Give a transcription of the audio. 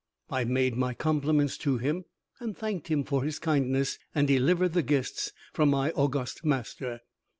I made my compliments to him, and thanked him for his kindness, and delivered the gifts from my august master.